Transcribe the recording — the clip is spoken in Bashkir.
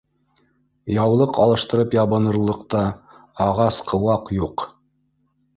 Яулыҡ алыштырып ябыныр- лыҡ та ағас-ҡыуаҡ юҡ